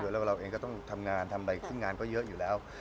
แล้วเราเองก็ต้องทำงานทำอะไรซึ่งงานก็เยอะอยู่แล้ว